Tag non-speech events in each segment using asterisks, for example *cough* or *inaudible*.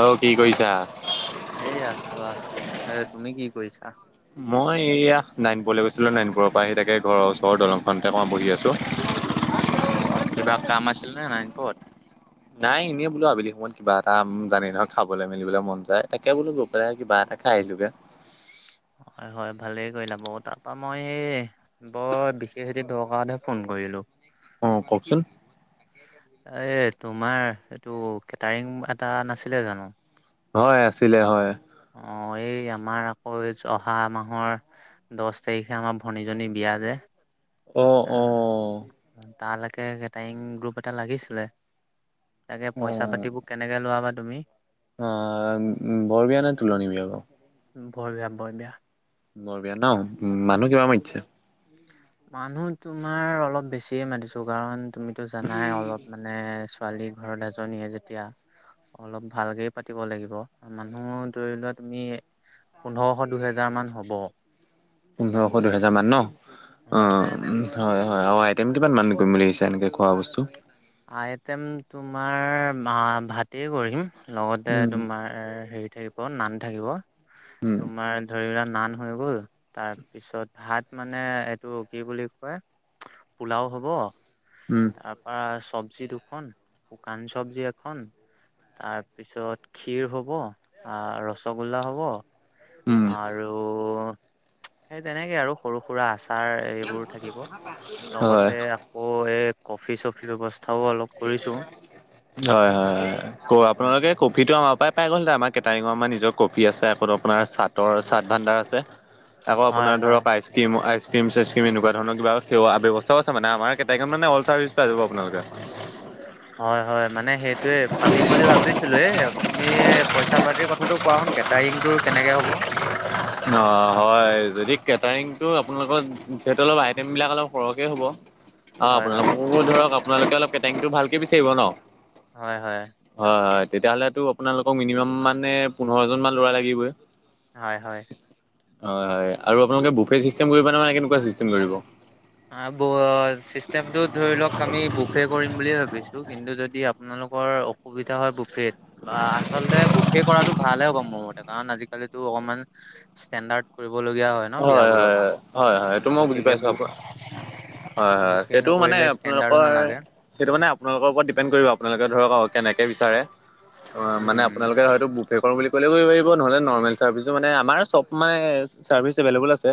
অ' কি কইছা? হেই আছোঁ, আছোঁ। এ তুমি কি কৰিছা? মই এইয়া নায়েনপুৰলে গৈছিলোঁ। নায়েনপুৰ পৰা আহি তাকে ঘৰৰ ওচৰ দলংখনতে আকমান বহি আছোঁ। অ' কিবা কাম আছিল নে নায়ানপুৱত? নাই, এনেই বোলো আবেলি সময়ত কিবা এটা জানে নহয় খাবলে মেলিবলে মন যায়। তাকে বোলো কিবা এটা খাই আহিলোগে। হয়, হয়। ভালেই কৰিলা। তাপা মই বৰ বিশেষ এটি দৰকাৰতহে ফোন কৰিলোঁ। অ' কওকচোন। এ তোমাৰ এইটো কেটাৰিং এটা নাছিলে জানো? হয়, আছিলে হয়। অ' এই আমাৰ আকৌ এই জ' অহা মাহৰ দছ তাৰিখে আমাৰ ভনীজনী বিয়া যে অ আ, অ। তালৈকে কেটাৰিং গ্ৰুপ এটা লাগিছিলে। তাকে অ পইচা পাতিবোৰ কেনেকে লোৱাবা তুমি? অ', বৰ বিয়ানে তুলনী বিয়া আকৌ? বৰ বিয়া বৰ বিয়া। বৰ বিয়া ন মানুহ কিমান মান মাতিছে? মানুহ তোমাৰ অলপ বেছিয়ে মাতিছো কাৰণ তুমিতো জানাই অলপ মানে ছোৱালী ঘৰত এজনীয়ে যেতিয়া। অলপ ভালকেই পাতিব লাগিব। মানুহ ধৰি লোৱা তুমি পোন্ধৰশ দুহেজাৰ মান হ'ব। পোন্ধৰশ দুহেজাৰ মান ন হয় হয় অ'। হয়, হয়, আৰু আইটেম কিমান মান কৰিম বুলি ভাবিছা এনেকে খোৱা বস্তু? আইটেম তোমাৰ ভাতেই কৰিম লগতে উম তোমাৰ হেৰী থাকিব নান থাকিব, উম তোমাৰ ধৰি লোৱা নান হৈ গ'ল তাৰপিছত ভাত মানে এইটো কি বুলি কয়। পোলাও হ'ব উম তাৰপৰা চব্জি দুখন শুকান চব্জি এখন। তাৰপিছত ক্ষীৰ হ'ব ৰসগোল্লা হ'ব। উম আৰু সেই তেনেকে আৰু সৰু সুৰা আচাৰ এইবোৰ থাকিব হয়। লগতে আকৌ এই কফি চফি ব্যৱস্থাও অলপ কৰিছো হয়, হয়, হয়, ক উম, আপোনালোকে কফিটো আমাৰ পৰাই পাই গ'ল আমাৰ কেটাৰিঙৰ আমাৰ নিজৰ কপি আছে আকৌ আপোনাৰ চাতৰ চাট ভাণ্ডাৰ আছে। আকৌ হয় আপোনাৰ হয় ধৰক আইচ ক্ৰীম আইচ ক্ৰীম চাইচক্ৰী এনেকুৱা ধৰণৰ কিবা খোৱা ব্যৱস্থাও আছে মানে আমাৰ। কেটাৰিং মান অল চাৰভিচ পাই যাব আপোনালোকে। হয়, হয়, মানে সেইটোৱে পাতিম বুলি ভাবিছিলো। তুমি পইচা পাতিৰ কথাটো কোৱা চোন কেটাৰিংটো কেনেকে হ'ব? অ', হয় যদি কেটাৰিংটো আপোনালোকৰ যিহেত অলপ আইটেমবিলাক অলপ সৰহকে হ'ব। অ', হয় আপোনালোক হয় ধৰক আপোনালোকে অলপ কেটেংটো ভালকে বিচাৰিব ন। হয়, হয়। হয়, হয়, তেতিয়া হ'লেতো আপোনালোকক মিনিমাম মানে পোন্ধৰ জন মান ল'ৰা লাগিবই। হয়, হয়। হয়, হয়, আৰু আপোনালোকে বোফে চিষ্টেম কৰিব নে মানে কেনেকুৱা চিষ্টেম কৰিব? অ', ব চিষ্টেমটো ধৰি লওঁক আমি বুফে কৰিম বুলি ভাবিছো কিন্তু যদি আপোনালোকৰ অসুবিধা হয় বুফেত। বা আচলতে বুফে কৰাটো ভালে হ'ব মোৰ মতে কাৰণ আজি কালিটো অকমান ষ্টেণ্ডাৰ কৰিবলগীয়া হয়। ন হয়, হয়, বিয়াবোৰত হয়, হয়, হয়, এইটো উম মই বুজি গতিকে পাইছো আপোনাৰ হয়, হয়, বুফে সেইটো মানে নকৰিলে ষ্টেণ্ডাৰ্ডো আপোনালোকৰ নালাগে সেইটো মানে আপোনালোকৰ ওপৰত ডিপেণ্ড কৰিব আপোনালোকে ধৰক কেনেকে বিচাৰে। অ', মানে উম আপোনালোকে হয়তো বুফে কৰিম বুলি কলেও পাৰিব নহ'লে নৰ্মেল চাৰ্ভিছো মানে আমাৰ চব মানে চাৰ্ভিচ এভেলেভোল আছে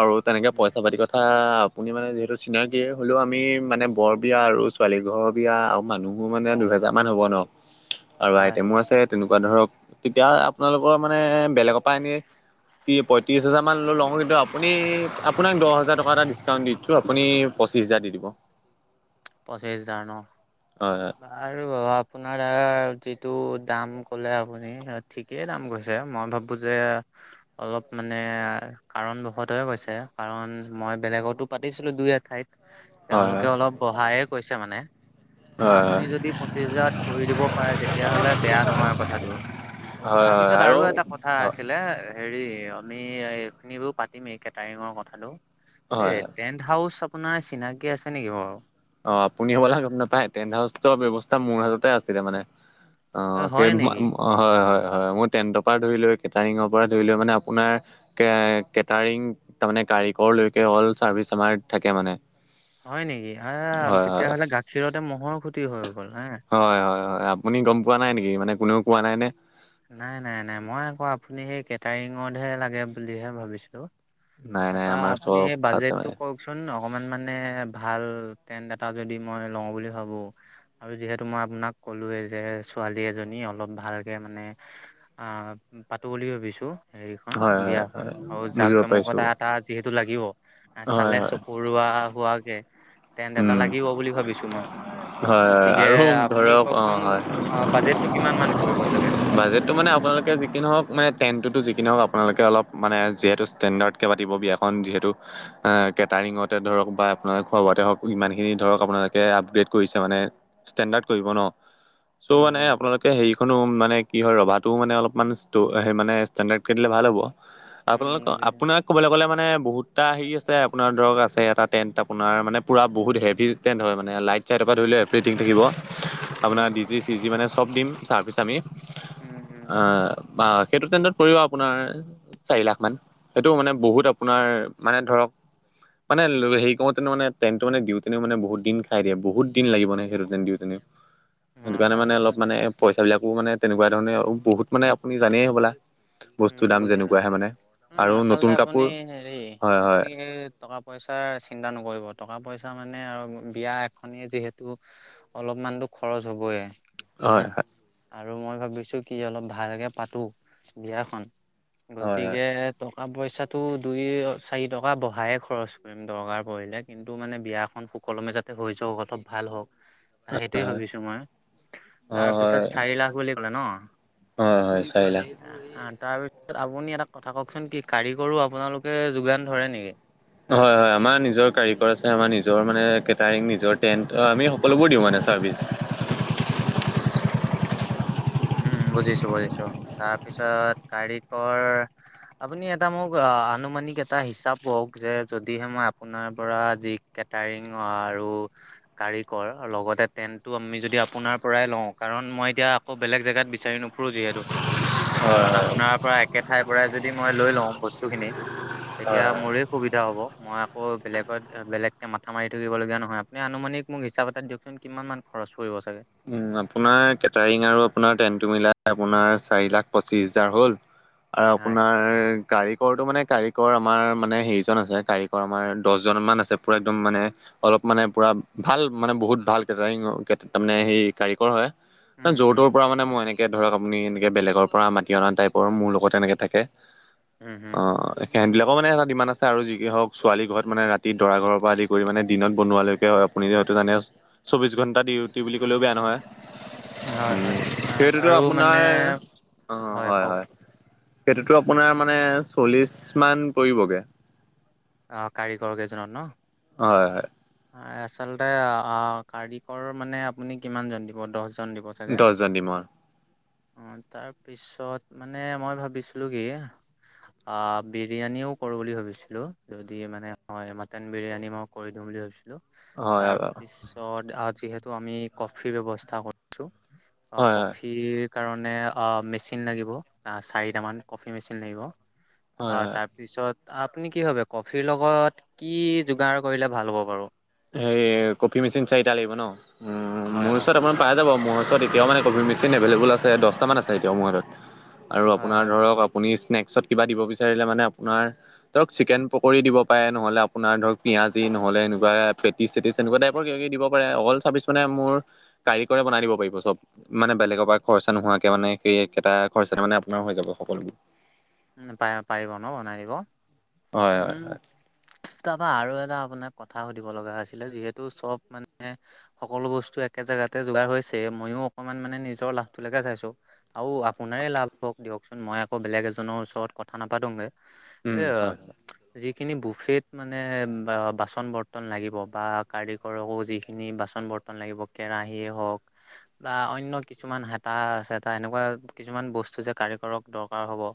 আৰু তেনেকে পইচা পাতি কথা কথা আপুনি মানে যিহেতু চিনাকি হ'লেও আমি মানে বৰ বিয়া আৰু ছোৱালী ঘৰৰ বিয়া আৰু মানুহ মোৰ মানে দুহেজাৰ মান হ'ব ন আৰু হয় আইটেমো আছে। তেনেকুৱা ধৰক তেতিয়া আপোনালোকৰ মানে বেলেগৰ পৰা এনেই কি হেজাৰমান লৈ লওঁ কিন্তু আপুনি আপোনাক দহ হাজাৰ টকা এটা ডিছকাউণ্ট দিছোঁ আপুনি পঁচিছ হাজাৰ দি দিব। পঁচিছ হাজাৰ ন? হয়, হয়। আৰু আপোনাৰ অ যিটো দাম ক'লে আপুনি ঠিক কে দাম কৈছে মই ভাবো যে অলপ মানে কাৰণবশতহে কৈছে কাৰণ মই বেলেগতো পাতিছিলো দুই এঠাইত। হয় তেওঁলোকে অলপ বঢ়ায়ে কৈছে মানে হয় হয় আপুনি যদি পঁচিছ হেজাৰত কৰি দিব পাৰে তেতিয়াহলে বেয়া নহয় কথাটো হয়, হয়। তাৰপিছত আৰু এটা কথা হয় আছিলে হেৰি আমি এইখিনি বোৰ পাতিমে এই কেটাৰিঙৰ কথাটো হয় এ টেনট হাউচ অপোনাৰ চিনাকি আছে নেকি বাৰু। অ' আপুনি হ'ব লা নাপায় টেণ্ট হাউচৰ ব্যৱস্থা মোৰ হাততে আছিলে মানে অ' সেই হয় নেকি হয় হয় হয় মই টেণ্টৰ পৰা ধৰি লৈ কেটাৰিঙৰ পৰা ধৰি লৈ মানে আপোনাৰ কে কেটাৰিং তাৰমানে কাৰিকৰ লৈকে অল চাৰ্ভিচ আমাৰ থাকে মানে হয়, নেকি? আ হয় তেতিয়াহ'লে গাখীৰতে মহ'ৰ খুটি হৈ গ'ল হা হয়, হয়, হয়। আপুনি গম পোৱা নাই নেকি মানে কোনেও কোৱা নাই নে? নাই, নাই, নাই। মই আকৌ আপুনি সেই কেটাৰিঙতহে লাগে বুলিহে ভাবিছিলোঁ। নাই নাই তাপা আমাৰ আপুনি চব সেই আছে বাজেট টো মানে কক চোন অকমান মানে ভাল টেণ্ট এটা যদি মই লওঁ বুলি ভাবো। আৰু যিহেতু মই আপোনাক ক'লোৱে যে ছোৱালী এজনী অলপ ভালকে মানে অ' পাতো বুলি ভাবিছো হেৰিখন হয় হয় বিয়াখন হয় আৰু জাক বুজিব পাইছো জমকতা এটা। যিহেতু লাগিব হয় চালে হয় চকুৰোৱা হোৱাকে টেণ্ট এটা উম লাগিব বুলি ভাবিছো মই। হয় হয় গতিকে আৰু আপুনি ধৰক অ কওকচোন হয় বাজেটটো কিমান মান পৰিব চাগে। ত মানে আপোনালোকে যি হওঁক মানে টেন তো যি হওক আপোনোকে অলপ মানে যিহেতু ষ্টেণ্ডাৰড কে পাতিব বিয়াখন যিহেতু অ কেটাৰিঙতে ধৰক বা আপোনাৰ খোৱা-বোৱাতে হওঁক। ইমানখিনি ধৰক আপোনালোকে আপগ্ৰেড কৰিছে মানে ষ্টেণ্ডাৰ্ড কৰিব ন চ' উম মানে উম আপোনাকে কে হেৰিখনো মানে কি হয় ৰভাটোও মানে অলপমান ষ্ট মানে ষ্টেণ্ডাৰ্ড কৰি দিলে ভাল হ'ব। উম আপোনালোকৰ বুজিছো। আপোনাক ক'বলৈ গ'লে মানে বহুতটা হেৰি আছে অপোনাৰ ধৰক আছে এটা টেণ্ট আপোনাৰ মানে পুৰা বহুত হেভি টেণ্ট হয়। মানে লাইট ছাইটৰ পৰা ধৰি লও এভৰিথিং থাকিব আপোনৰ উম ডি জি চি জি মানে চব দিম। চাৰ্ভিছ আমি *unintelligible* অ' বা সেইটো তেনদত পৰিব অপোনাৰ চাৰি লাখ মান সেইটো মানে বহুত আপোনাৰ মানে ধৰক মানে হেৰি কৰোঁতে মানে তেণ্টো মানে দিওঁতেনে মানে বহুত দিন খাই দিয়ে বহুত দিন লাগিবনে সেইটো তেন দিওঁতে। অ সেইটো কাৰনে হয় মানে অলপ বুজিছো মানে পইচাবিলাকো মানে তেনেকুৱা ধৰণে আৰু বহুত মানে আপুনি জানেই হ'বলা বস্তুৰ উম, দাম বুজিছো যেনেকুৱাহে মানে উম, আৰু নতুন আচলতে আপুনি কাপোৰ হেৰী হয় হয় আপুনি হে টকা -পইচাৰ চিন্তা নকৰিব টকা পইচা মানে আৰু বিয়া এখনে যিহেতু অলপমানতো খৰছ হ'বয় হ হয় হা আৰু মই ভাবিছো কি অলপ ভালকে পাতো। বিয়াখন হয় গতিকে পইচাটো দুই চাৰি টকা বহাই খৰচ কৰিম দৰকাৰ পৰিলে কিন্তু মানে বিয়া খন সুকলমে যাতে হৈ যাওঁক অলপ ভাল হওঁক। সেইটোৱে ভাবিছো মই তাৰ পিছত হয় হয় হয় চাৰি লাখ বুলি কলে ন? হয়, হয়, চাৰি লাখ। তাৰপিছত আপুনি এটা কথা কওঁকচোন কি কাৰিকৰো আপোনালোকে যোগান ধৰে নেকি? হয়, হয়, আমাৰ নিজৰ কাৰিকৰ আছে, আমাৰ নিজৰ মানে কেটাৰিং নিজৰ টেণ্ট আমি সকলোবোৰ দিও মানে চাৰ্ভিচ। *inaudible* উম, বুজিছো বুজিছো, তাৰ পিছত কাৰিকৰ আপুনি এটা মোক আ-আনুমানিক এটা হিচাপ কওক যে যদিহে মই আপোনাৰ পৰা আজি কেটাৰিং আৰু কাৰিকৰ লগতে টেণ্ট টো আমি যদি আপোনাৰ পৰাই লওঁ, কাৰণ মই এতিয়া আকৌ বেলেগ জেগাত বিচাৰি নুফুৰোঁ যিহেতু। হয় কাৰণ হয় আপোনাৰ পৰা একে ঠাইৰ পৰাই যদি মই লৈ লওঁ বস্তুখিনি, তেতিয়া হয় হয় মোৰে সুবিধা হ'ব, মই আকৌ বেলেগত বেলেগকে মাথা মাৰি থাকিবলগীয়া নহয়। আপুনি আনুমানিক মোক হিচাপ এটা দিয়ক চোন কিমান মান খৰচ পৰিব চাগে? আপোনাৰ কেটাৰিং আৰু আপোনাৰ টেনটো মিলাই আপোনাৰ চাৰি লাখ পঁচিছ হোজাৰ হ'ল। আৰু হয় আপোনাৰ কাৰিকৰটো মানে কাৰিকৰ আমাৰ মানে হেৰিজন আছে, কাৰিকৰ আমাৰ দহজন মান আছে পুৰা একদম মানে অলপ মানে পুৰা ভাল, মানে বহুত ভাল কেটাৰিং তাৰমানে সেই কাৰিকৰ হয়, মনে উম উম য'ৰ-ত'ৰ পৰা মানে মই এনেকে ধৰক আপুনি এনেকে বেলেগৰ পৰা মাতি অনা টাইপৰ মোৰ লগত এনেকে থাকে। উম উম অ', অ'। সেহতবিলাকৰ মানে এটা ডিমান্দ আছে আৰু যি হওক ছোৱালী ঘৰত মানে ৰাতি দৰা ঘৰৰ পৰা আদি কৰি মানে দিনত বনোৱালৈকে। আপুনি যিহেতু জানে, চৌবিশ ঘণ্টা ডিউটি বুলি ক'লেও বেয়া হয়, হয় হয় আ সেইটোতো আৰু মানে আপোনাৰ অ', হয়, হয়। সেইটোতো আপোনাৰ মানে চল্লিশ মান পৰিবগে। অ', কাৰিকৰ কেইজনত ন'? হয়, হয়। আচলতে কাৰিকৰ মানে আপুনি কিমানজন দিব, দহজন দিব চাগে! দহজন দিমৰ অ', তাৰপিছত মানে মই ভাবিছিলো কি অ', বিৰিয়ানিও কৰো বুলি ভাবিছিলো, যদি মানে হয়, মটন বিৰিয়ানী মই কৰি দিওঁ বুলি ভাবিছিলো। হয় হয় তাৰপিছত যিহেতু আমি কফিৰ ব্যৱস্থা কৰিছো। অ', হয় হয় কফিৰ কাৰণে মেচিন লাগিব চাৰিটামান কফি মেচিন লাগিব। হয় অ', হয় তাৰপিছত আপুনি কি ভাবে কফিৰ লগত কি যোগাৰ কৰিলে ভাল হ'ব বাৰু? হেই কফি মেচিন চাৰিটা লাগিব ন', উম, হয় মোৰ হয় ওচৰত আপোনৰ পাই যাব। মোৰ ওচৰত এতিয়াও মানে কফি মেচিন এভেইলেবল আছে দহটামান আছে এতিয়াও মোৰ হাতত। আৰু হয় আপোনাৰ হয় ধৰক আপুনি স্নেকচত কিবা দিব বিচাৰিলে মানে আপোনাৰ ধৰক চিকেন পকৰি দিব পাৰে, নহ'লে আপোনাৰ ধৰক পিযয়াজি, নহ'লে এনেকুৱা পেটিছ-চেটিছ, এনেকুৱা টাইপৰ দিব পাৰে। অকল চাব্বিছ মানে মোৰ কাৰিকৰে বনাই দিব পাৰিব চব, মানে বেলেগৰ পৰা খৰচা নোহোৱাকে মানে সেই কেইটা খৰচাতে মানে আপোনাৰ হৈ যাব সকলোবোৰ। উম, প-পাৰিব ন' বনাই দিব? হয় হয় উম তাৰপা আৰু এটা আপোনাক কথা সুধিব লগা হৈছিলে, যিহেতু চব মানে সকলো বস্তু একে জেগাতে যোগাৰ হৈছে। মইয়ো অকণমান মানে নিজৰ লাভটোলৈকে চাইছোঁ। আৰু আপোনাৰে লাভ হওক দিয়কচোন, মই আকৌ বেলেগ এ জনৰ ওচৰত কথা নাপাটোগে, উম এ হয় যিখিনি বুফেত মানে বাচন-বৰ্তন লাগিব বা কাৰিক কৰকো যিখিনি বাচন-বৰ্তন লাগিব, কেৰাহিয়ে হ'ওক বা অন্য কিছুমান হেতা-চেতা, এনেকুৱা কিছুমান বস্তু যে কাৰিকৰক দৰকাৰ হ'ব।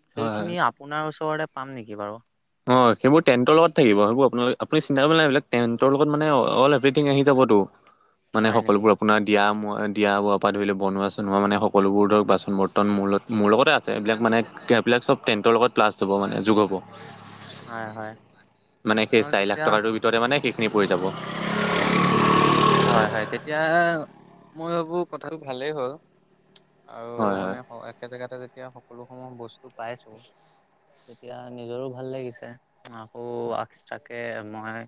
হয় হয় এইখিনি আপোনাৰ ওচৰতে পাম নেকি বাৰু? অ সেইবোৰ টেন্তৰ লগত থাকিব, সেইবোৰ আপোনালোক আপুনি চিন্তা কৰিব নালাগে এইবিলাক, টেন্তৰ লগত মানে অল এভৰিথিং আহি যাবতো। *unintelligible* মানে নেকি সকলোবোৰ আপোনাৰ, দিয়া ম দিয়া ব পৰা ধৰি লওক বনোৱা চনোৱা, মানে সকলোবোৰ ধৰক বাচন বৰ্তন, মোৰ লগত মোৰ লগতে আ- ছেম। এইবিলাক মানে এইবিলাক চব টেন্টৰ লগত প্লাছ হ'ব মানে যোগ হ'ব। হয় হয়। মানে অ সেই চাৰিলাখ তেতিয়া টকাটোৰ ভিতৰতে মানে সেইখিনি পৰি যাব। *unintelligible* হয় হয়, তেতিয়া মই ভাবো কথাটো ভালেই হ'ল। আৰু হয় মানে একে জেগাতে যেতিয়া সকলো সমূহ বস্তু পাইছো, তেতিয়া নিজৰো ভাল লাগিছে আকৌ এক্সট্ৰাকে মই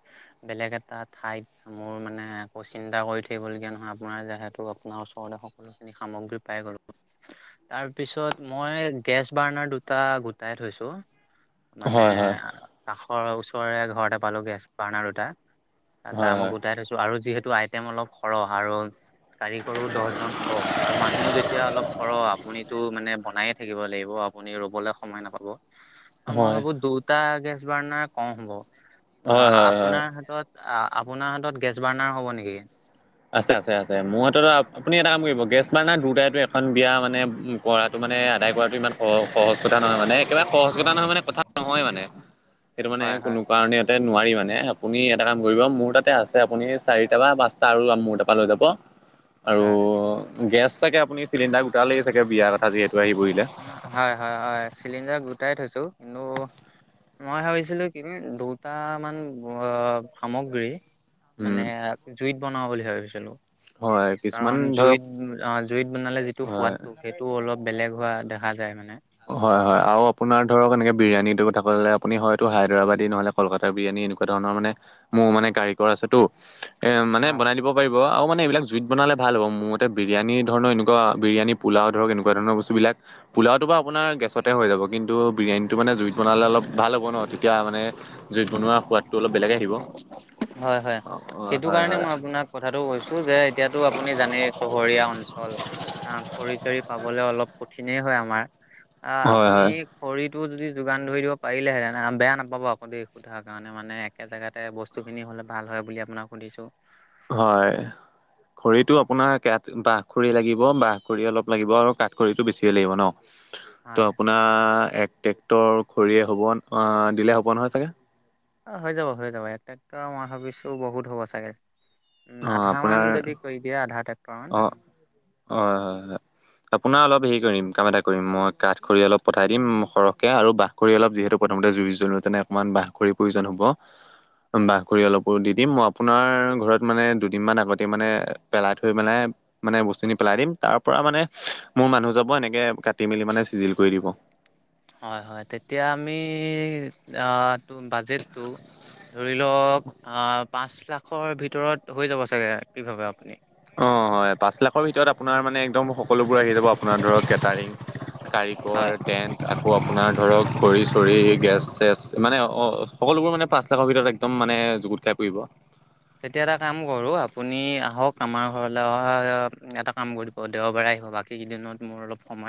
বেলেগ এটা ঠাইত মোৰ মানে আকৌ চিন্তা কৰি থাকিবলগীয়া নহয় আপোনাৰ যিহেতু আপোনাৰ ওচৰতে সকলো সামগ্ৰী পাই গলো। তাৰ পিছত মই গেছ বাৰ্ণাৰ দুটা গোটাই থৈছো। মানে হয় হয় কাষৰ ওচৰৰে ঘৰতে পালোঁ গেছ বাৰ্ণাৰ দুটা। টা মই হয় গোটাই থৈছো আৰু যিহেতু আইটেম অলপ সৰহ আৰু কাৰিকৰো দহজন হ'ব আৰু মানুহো যেতিয়া অলপ সৰ আপুনিতো মানে বনায়ে থাকিব লাগিব। আপুনি ৰবলে সময় নাপাব। হয় মই হয় ভাবো দুটা গেছ বাৰ্ণাৰ কম হ'ব হয় আহ হয় আপোনাৰ হাতত আপোনাৰ হাতত গেছ বাৰ্ণাৰ হ'ব নেকি? আছে আছে আছে মোৰ হাততো আপুনি এটা কাম কৰিব গেছ বাৰ্ণাৰ দুটাইতো এখন বিয়া মানে, কৰাটো মানে আদায় কৰাটো ইমান সহজ কথা নহয় মানে একেবাৰে সহজ কথা নহয় মানে কথা নহয় মানে। *inaudible* সেইটো মানে কোনো হয় কাৰণে ইয়াতে নোৱাৰি মানে আপুনি এটা কাম কৰিব মোৰ তাতে আছে আপুনি চাৰিটা বা পাঁচটা তাৰ মোৰ তাৰ পৰা লৈ যাব আৰু হয় গেছ চাগে আপুনি চিলিণ্ডাৰ গোটালে ছাগে বিয়া কথা যিহেতু আহি‌ পৰিলে। হয় হয় হয় চিলিণ্ডাৰ গোটাই থৈছো কিন্তু মই ভাবিছিলো কি দুটামান সামগ্ৰী। উম মানে জুইত বনাওঁ বুলি ভাবিছিলোঁ। হয় কিছুমান কাৰণ ধৰক জুইত জুইত বনালে যিটো হয় সোৱাদটো, সেইটো অলপ বেলেগ হোৱা দেখা যায় মানে। হয় হয় আৰু আপোনাৰ ধৰক এনেকে বিৰিয়ানীটো কথা কলে আপুনি হয়তো হায়দৰাবাদী নহ'লে কলকাতাৰ বিৰিয়ানী এনেকুৱা ধৰণৰ মানে মোৰ মানে কাৰিকৰ আছে টো এ মানে হয়। বনাই দিব। পাৰিব আৰু মানে এইবিলাক জুইত বনালে ভাল হ'ব মোৰ মতে বিৰিয়ানী পুলাও ধৰক এনেকুৱা ধৰণৰ বস্তুবিলাক। পোলাওটো বাৰ আপোনাৰ গেছতে হৈ যাব কিন্তু বিৰিয়ানীটো মানে জুইত বনালে অলপ ভাল হ'ব ন তেতিয়া মানে। জুইত বনোৱা সোৱাদটো অলপ বেলেগে আহিব অ' হয় হয় অ' হয় সেইটো হয় কাৰণে মই আপোনাক কথাতটো কৈছো যে এতিয়াতো আপুনি জানেই চহৰীয়া অঞ্চল। অ খৰি চৰি পাবলৈ অলপ কঠিনেই হয় আমাৰ। অ হয় আপুনি হয় খৰিটো যদি যোগান ধৰি দিব পাৰিলেহেঁতেন বেয়া নাপাব আ সোধাৰ কাৰণে মানে একে জেগাতে বস্তুখিনি হলে ভাল হয় বুলি আপোনাক সুধিছোঁ। হয় খৰিটো আপোনাৰ কে বাঁহ খৰি লাগিব বাঁহ খৰি অলপ লাগিব আৰু কাঠ খৰিটো বেছিয়ে লাগিব ন। ত হয় আপোনাৰ এক ট্ৰেক্টৰ খৰিয়ে হ'ব দিলে হ'ব নহয় চাগে? অ হৈ যাব হৈ যাব এক ট্ৰেক্টৰৰ মই ভাবিছোঁ বহুত হ'ব চাগে। উ অঁ আধা মান যদি কৰি দিয়া আধাতে অ হয় হয় আপোনাৰ অলপ হেৰি কৰিম কাম এটা কৰিম মই কাঠ খৰি অলপ পঠাই দিম সৰহকে আৰু বাহ খৰি অলপ যিহেতু প্ৰথমতে জুই জ্বলোঁতেনে অকণমান বাহ খৰি প্ৰয়োজন হ'ব। উ *inaudible* বাহ খৰি অলপো দি দিম মই আপোনাৰ ঘৰত মানে দুদিন মান আগতে মানে পেলাইথ থৈ মানে মানে বস্তুখিনি পেলাই দিম তাৰ পৰা মানে মোৰ মানুহ যাব এনেকে কাটি মেলি মানে চিজিল কৰি দিব। হয় হয় তেতিয়া আমি অ টো বাজেটটো, ধৰি লওক আ পাঁচ লাখৰ ভিতৰত হৈ যাব চাগে কিভাৱে আপুনি? অ হয় পাঁচ লাখ খৰ ভিতৰত আপোনাৰ মানে একদম সকলোবোৰ আহি যাব আপোনাৰ ধৰক কেটাৰিং, কাৰিকৰ, হয় টেণ্ট, আকৌ আপোনাৰ ধৰক খৰি চৰি গেছ চেছ মানে অ সকলোবোৰ মানে পাঁচ লাখৰ ভিতৰত এক দম মানে যুগুত খাই পৰিব। তেতিয়া এটা কাম কৰো আপুনি আহক আমাৰ ঘৰলে অহা এটা কাম কৰি ব দেওবাৰে আহিব বাকী কেইদিনত মোৰ অলপ সময়